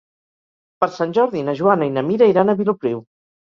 Per Sant Jordi na Joana i na Mira iran a Vilopriu.